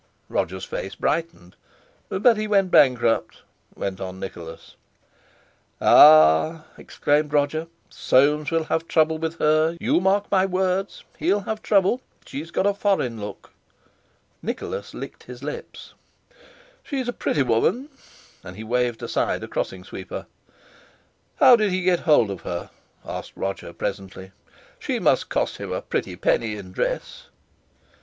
Roger's face brightened. "But he went bankrupt," went on Nicholas. "Ah!" exclaimed Roger, "Soames will have trouble with her; you mark my words, he'll have trouble—she's got a foreign look." Nicholas licked his lips. "She's a pretty woman," and he waved aside a crossing sweeper. "How did he get hold of her?" asked Roger presently. "She must cost him a pretty penny in dress!"